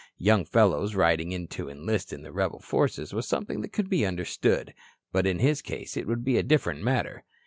Young fellows riding in to enlist in the rebel forces was something that could be understood. But in his case it would be a different matter.